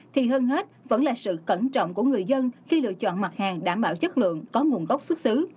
thì hơn hết vẫn là sự cẩn trọng của người dân khi lựa chọn mặt hàng đảm bảo chất lượng có nguồn gốc xuất xứ